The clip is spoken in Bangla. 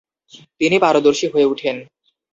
তিনি পারদর্শী হয়ে উঠেন।